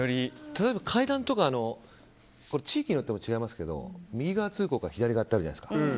例えば階段とか地域によっても違いますけど右側通行か左側かってあるじゃないですか。